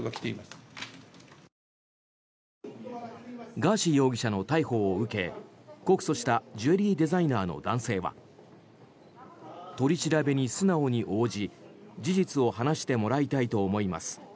ガーシー容疑者の逮捕を受け告訴したジュエリーデザイナーの男性は取り調べに素直に応じ事実を話してもらいたいと思います